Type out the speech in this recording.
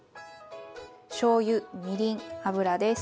しょうゆみりん油です。